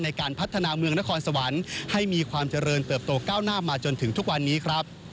ในการพัฒนาเมืองนครสวรรค์ให้มีความเจริญเติบโตก้าวหน้ามาจนถึงทุกวันนี้ครับ